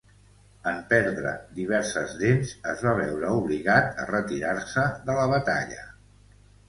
En perdre diverses dents, es va veure obligat a retirar-se de la batalla.